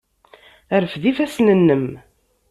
Rfed ifassen-nnem!